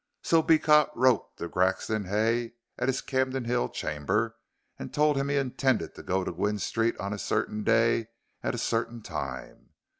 So Beecot wrote to Grexon Hay at his Camden Hill chamber and told him he intended to go to Gwynne Street on a certain day at a certain time.